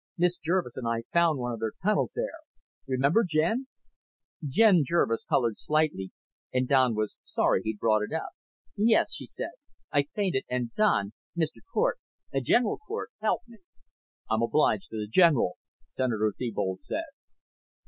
"Miss Jervis and I found one of their tunnels there. Remember, Jen?" Jen Jervis colored slightly and Don was sorry he'd brought it up. "Yes," she said. "I fainted and Don Mr. Cort General Cort helped me." "I'm obliged to the general," Senator Thebold said.